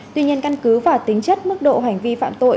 tuy nhiên căn cứ và tính chất mức độ hành vi phạm tội